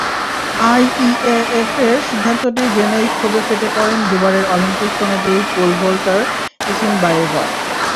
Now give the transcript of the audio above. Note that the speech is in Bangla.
আইএএএফের সিদ্ধান্তটি জেনেই ক্ষোভে ফেটে পড়েন দুবারের অলিম্পিক সোনাজয়ী পোল ভল্টার ইসিনবায়েভা।